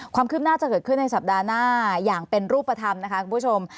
ความคืบหน้าจะเกิดขึ้นในสัปดาห์หน้าอย่างเป็นรูปธรรมนะคะคุณผู้ชม